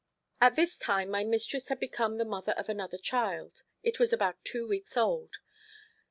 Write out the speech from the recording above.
At this time my mistress had become the mother of another child; it was about two weeks old.